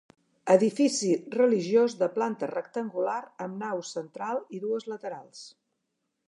Edifici religiós de planta rectangular, amb nau central i dues laterals.